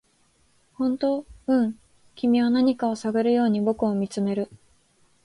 「本当？」「うん」君は何かを探るように僕を見つめる